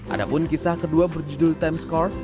ada pun kisah kedua berjudul times square